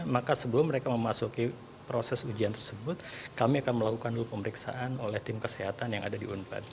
maka sebelum mereka memasuki proses ujian tersebut kami akan melakukan dulu pemeriksaan oleh tim kesehatan yang ada di unpad